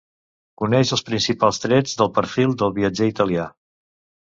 Coneix els principals trets del perfil del viatger italià.